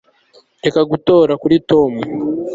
Reka gutora kuri Tom